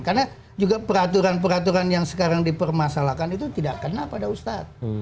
karena juga peraturan peraturan yang sekarang dipermasalahkan itu tidak kena pada ustadz